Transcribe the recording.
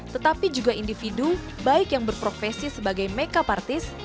tetapi juga individu baik yang berprofesi sebagai makeup artist